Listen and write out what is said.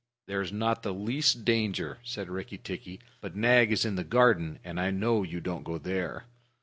"There's not the least danger," said Rikki tikki. "But Nag is in the garden, and I know you don't go there."